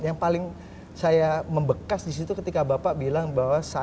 yang paling saya membekas disitu ketika bapak bilang bahwa